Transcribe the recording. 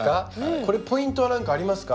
これポイントは何かありますか？